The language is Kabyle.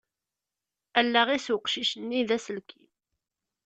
Allaɣ-is uqcic-nni d aselkim.